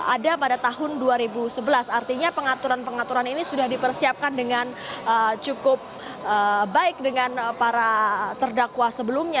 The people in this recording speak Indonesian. ada pada tahun dua ribu sebelas artinya pengaturan pengaturan ini sudah dipersiapkan dengan cukup baik dengan para terdakwa sebelumnya